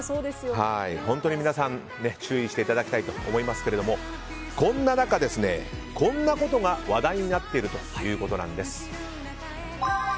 本当に皆さん注意していただきたいと思いますがそんな中、こんなことが話題になっているということです。